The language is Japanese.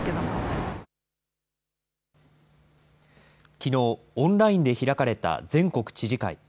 きのう、オンラインで開かれた全国知事会。